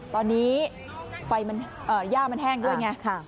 ตอนนี้ไฟมันอ่าย่ามันแห้งด้วยไงค่ะ